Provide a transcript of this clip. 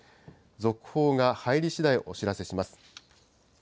続報が入りしだい、お知らせします。